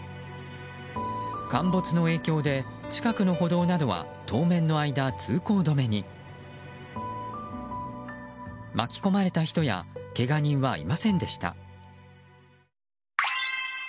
陥没の影響で近くの歩道などは当面の間通行止めに巻き込まれた人やけが人はいませんでした。